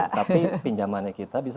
tapi pinjamannya kita bisa